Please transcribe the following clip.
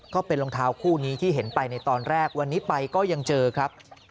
ก็เป็นรองเท้าคู่นี้ที่เห็นไปในตอนแรกวันนี้ไปก็ยังเจอครับ